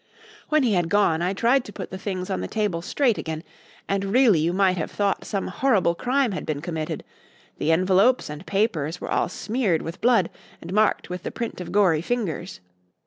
"When he had gone I tried to put the things on the table straight again, and really you might have thought some horrible crime had been committed; the envelopes and papers were all smeared with blood and marked with the print of gory fingers.